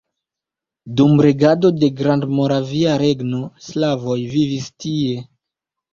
Dum regado de Grandmoravia Regno slavoj vivis tie.